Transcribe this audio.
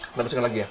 kita masukan lagi ya